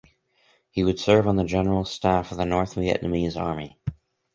He would serve on the general staff of the North Vietnamese army.